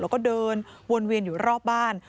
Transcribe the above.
แล้วก็เดินวนเวียนอยู่รอบบ้าน